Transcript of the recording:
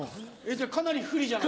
じゃあかなり不利じゃない？